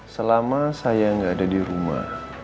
selama saya nggak ada di rumah